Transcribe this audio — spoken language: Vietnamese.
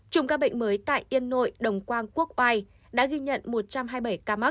chủng các bệnh mới tại yên nội đồng quang quốc oai đã ghi nhận một trăm hai mươi bảy ca mắc